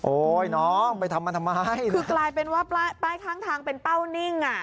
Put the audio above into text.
น้องไปทำมันทำไมคือกลายเป็นว่าป้ายป้ายข้างทางเป็นเป้านิ่งอ่ะ